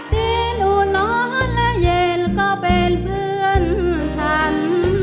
ตีนอุ่นนอนและเย็นก็เป็นเพื่อนฉัน